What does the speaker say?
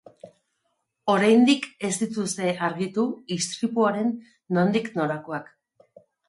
Oraindik ez dituzte argitu istripuaren nondik norakoak.